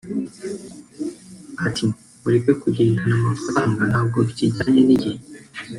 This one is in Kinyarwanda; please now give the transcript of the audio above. Ati “Mureke kugendana amafaranga ntabwo bikijyanye n’igihe